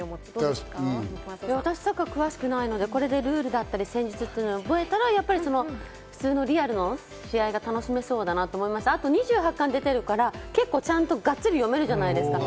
私、詳しくないので、これでルールや戦術を覚えたら普通のリアルの試合が楽しめそうだなと思いますし、２８巻出てるからちゃんとガッツリ読めるじゃないですか。